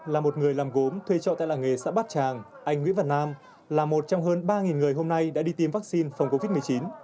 là một người làm gốm thuê trọ tại làng nghề xã bát tràng anh nguyễn văn nam là một trong hơn ba người hôm nay đã đi tiêm vaccine phòng covid một mươi chín